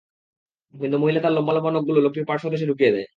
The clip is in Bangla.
কিন্তু মহিলা তার লম্বা লম্বা নখগুলো লোকটির পার্শ্বদেশে ঢুকিয়ে দেয়।